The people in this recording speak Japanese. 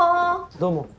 どうも。